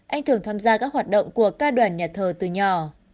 anh thường tham gia các hoạt động của ca đoàn nhà thờ từ nhỏ